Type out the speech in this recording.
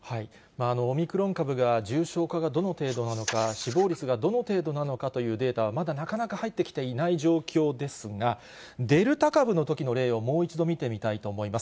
オミクロン株が重症化がどの程度なのか、死亡率がどの程度なのかというデータはまだなかなか入ってきていない状況ですが、デルタ株のときの例をもう一度見てみたいと思います。